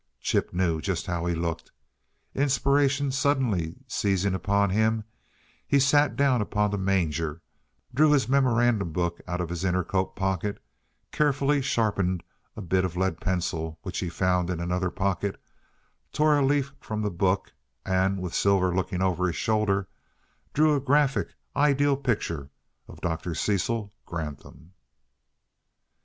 Chip knew just how he looked. Inspiration suddenly seizing upon him, he sat down upon the manger, drew his memorandum book out of his inner coat pocket, carefully sharpened a bit of lead pencil which he found in another pocket, tore a leaf from the book, and, with Silver looking over his shoulder, drew a graphic, ideal picture of Dr. Cecil Granthum.